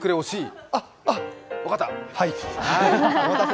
あ、分かった。